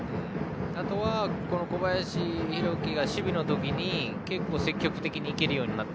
あとは小林、宏樹が守備のときに結構、積極的にいけるようになった。